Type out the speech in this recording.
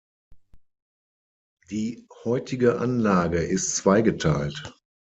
Die heutige Anlage ist zweigeteilt.